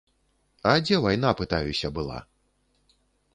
А дзе вайна, пытаюся, была?